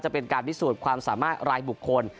เป็นการพิสูจน์ความสามารถรายบุคคล